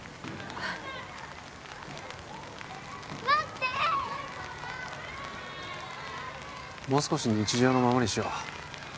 待ってもう少し日常のままにしよう